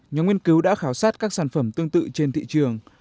nhóm nghiên cứu đã khảo sát các sản phẩm tương tự trên thị trường